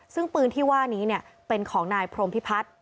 ซึ่งปืนที่ว่านี้เป็นของนายพรมพิพัฒน์